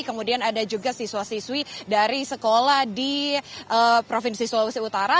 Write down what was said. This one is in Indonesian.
kemudian ada juga siswa siswi dari sekolah di provinsi sulawesi utara